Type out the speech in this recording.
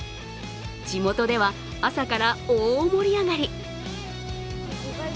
地元では朝から大盛り上がり。